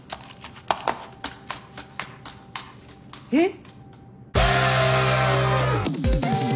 えっ？